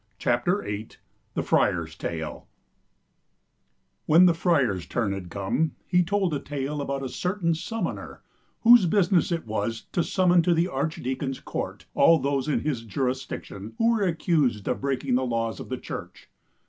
VIII THE STORY OF THE SUMMONER tSa ^X'XAX WHEN the friar's turn had come, he told a tale about a certain summoner, whose busi ness it was to summon to the archdeacon's court all those in his jurisdiction who were accused of breaking the laws of the Church.